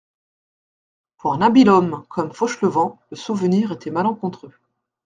Pour un habile homme comme Fauchelevent, le souvenir était malencontreux.